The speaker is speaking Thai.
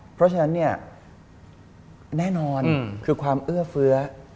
เพราะฉะนั้นเนี่ยแน่นอนคือความเอื้อเฟื้อ